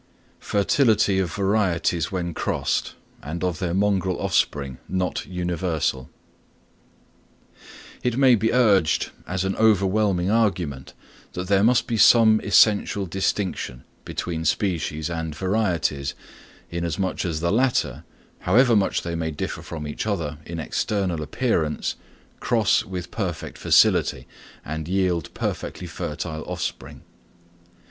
Fertility of Varieties when Crossed, and of their Mongrel Offspring, not universal. It may be urged as an overwhelming argument that there must be some essential distinction between species and varieties inasmuch as the latter, however much they may differ from each other in external appearance, cross with perfect facility, and yield perfectly fertile offspring.